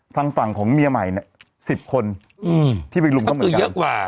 ฝั่งฝั่งของเมียใหม่เนี่ยสิบคนที่เป็นรุมเขาเหมือนกัน